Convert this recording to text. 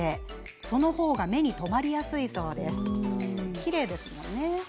その方が目に留まりやすいそうです。